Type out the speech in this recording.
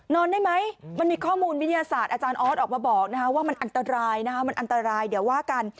นอนได้ไหมมันมีข้อมูลวิทยาศาสตร์อาจารย์ออสออกมาบอกว่ามันอันตรายนะคะมันอันตรายเดี๋ยวว่ากัน